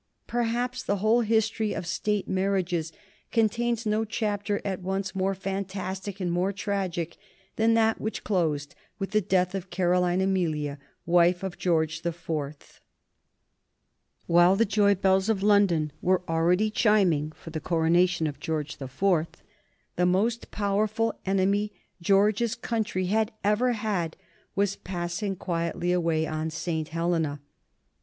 Perhaps the whole history of State marriages contains no chapter at once more fantastic and more tragic than that which closed with the death of Caroline Amelia, wife of George the Fourth. [Sidenote: Death of Napoleon Bonaparte] While the joy bells of London were already chiming for the coronation of George the Fourth, the most powerful enemy George's country had ever had was passing quietly away in St. Helena.